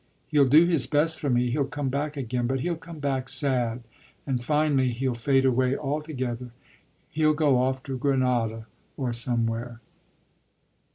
He'll do his best for me; he'll come back again, but he'll come back sad, and finally he'll fade away altogether. Hell go off to Granada or somewhere."